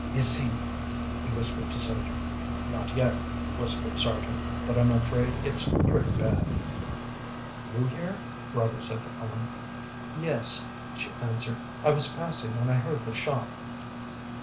"Is he " he whispered to Sargent. "Not yet," whispered Sargent, "but I'm afraid it's pretty bad." "You here?" Robert said to Ellen. "Yes," she answered, "I was passing when I heard the shot."